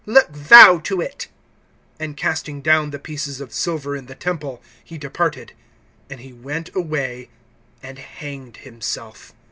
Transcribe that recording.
Look thou to it. (5)And casting down the pieces of silver in the temple, he departed; and he went away and hanged himself.